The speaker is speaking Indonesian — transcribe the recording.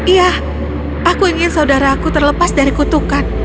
iya aku ingin saudaraku terlepas dari kutukan